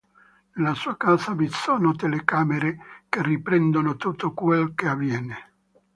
Nella sua casa vi sono telecamere che riprendono tutto quel che avviene.